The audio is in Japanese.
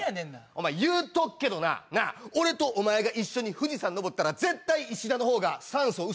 「お前言うとくけどな俺とお前が一緒に富士山に登ったら絶対石田の方が酸素薄いからな」